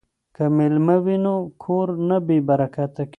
که میلمه وي نو کور نه بې برکته کیږي.